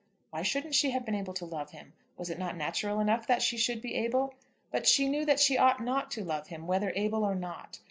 Why shouldn't she have been able to love him? Was it not natural enough that she should be able? But she knew that she ought not to love him, whether able or not.